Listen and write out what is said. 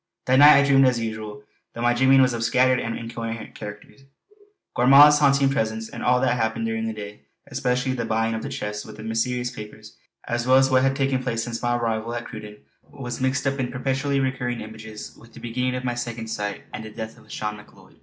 That night I dreamed as usual, though my dreaming was of a scattered and incoherent character. Gormala's haunting presence and all that had happened during the day, especially the buying of the chest with the mysterious papers, as well as what had taken place since my arrival at Cruden was mixed up in perpetually recurring images with the beginning of my Second Sight and the death of Lauchlane Macleod.